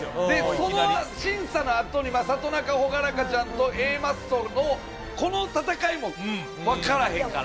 その審査のあとにさとなかほがらかちゃんとＡマッソ、この戦いも分からへんから。